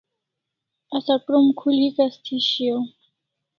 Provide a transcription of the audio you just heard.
Asa krom khul hikas thi shiau